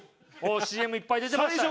ＣＭいっぱい出てましたよ。